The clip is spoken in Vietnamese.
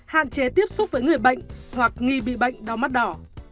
hạn chế tiếp xúc với người bệnh hoặc nghi bị bệnh đau mắt đỏ